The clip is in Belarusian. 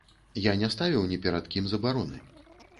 Я не ставіў ні перад кім забароны.